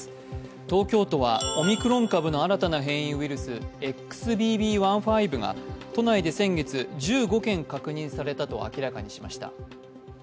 東京都はオミクロン株の新たな変異ウイルス、ＸＢＢ．１．５が都内で先月、１５件確認されたと明らかにしました。